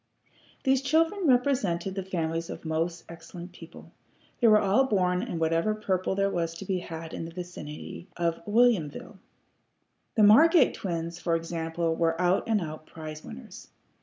These children represented the families of most excellent people. They were all born in whatever purple there was to be had in the vicinity of Whilomville. The Margate twins, for example, were out and out prize winners.